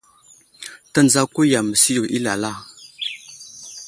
Tendzako yam məsiyo i alala.